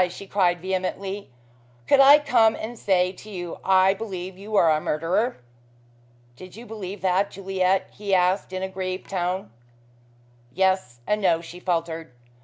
she cried vehemently. "Could I come and say to you, I believe you are a murderer?" "Did you believe that, Juliet?" he asked in a grieved tone. "Yes and no," she faltered.